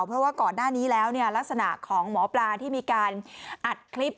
เพราะว่าก่อนหน้านี้แล้วเนี่ยลักษณะของหมอปลาที่มีการอัดคลิป